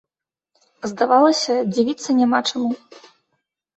Здавалася, дзівіцца няма чаму.